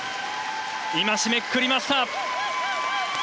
今、締めくくりました！